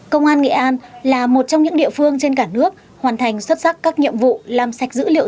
công an nghệ an là một trong những địa phương trên cả nước hoàn thành xuất sắc các nhiệm vụ làm sạch dữ liệu